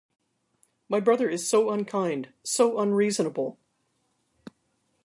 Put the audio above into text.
My brother is so unkind, so unreasonable!